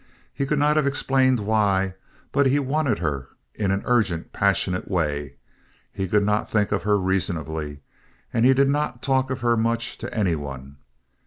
He could not have explained why, but he wanted her in an urgent, passionate way. He could not think of her reasonably, and he did not talk of her much to any one.